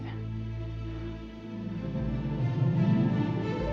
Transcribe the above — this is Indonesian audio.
terima kasih pak